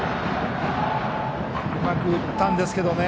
うまく打ったんですけどね。